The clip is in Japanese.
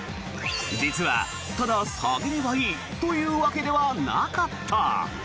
実は、ただ下げればいいというわけではなかった。